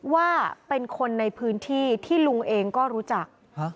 ว่าเป็นคนในพื้นที่ที่ลุงเองก็รู้จัก